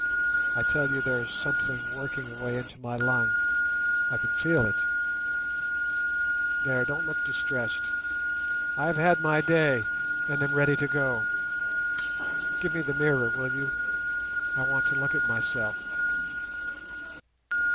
I tell you there is something working away into my lung; I can feel it. There, don't look distressed; I have had my day, and am ready to go. Give me the mirror, will you? I want to look at myself."